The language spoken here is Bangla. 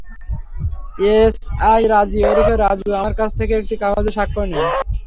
এসআই রাজি ওরফে রাজু আমার কাছ থেকে একটি কাগজে স্বাক্ষর নেন।